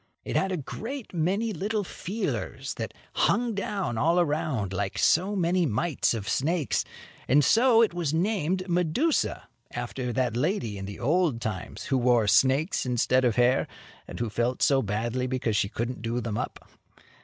It had a great many little feelers that hung down all around like so many mites of snakes, and so it was named Medusa, after that lady in the old times who wore snakes instead of hair, and who felt so badly because she couldn't do them up.